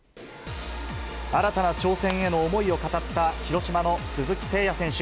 新たな挑戦への思いを語った、広島の鈴木誠也選手。